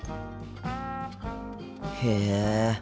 へえ。